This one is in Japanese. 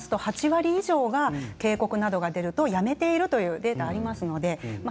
取材によりますと８割以上は警告が出るとやめてるというデータがあります。